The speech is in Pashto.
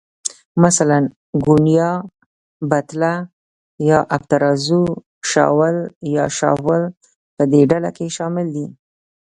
مثلاً، ګونیا، بتله یا آبترازو، شاول یا شافول په دې ډله کې شامل دي.